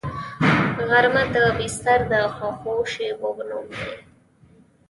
غرمه د بستر د خوږو شیبو نوم دی